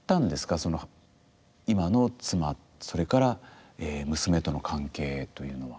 その今の妻それから娘との関係というのは。